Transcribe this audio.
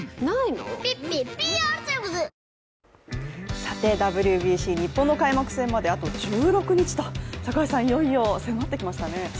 さてＷＢＣ、日本の開幕まであと１６日と、高橋さん、いよいよ迫ってきましたね。